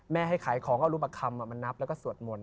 ให้ขายของเอารูปคำมานับแล้วก็สวดมนต